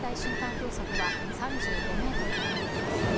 風速は３５メートルとなっています。